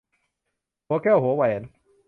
หัวแก้วหัวแหวน